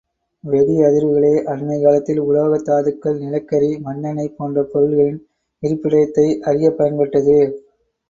வெடி அதிர்வுகளே, அண்மைக் காலத்தில் உலோக தாதுக்கள், நிலக்கரி, மண்ணெண்ணெய் போன்ற பொருள்களின் இருப்பிடத்தை அறியப் பயன்பட்டது.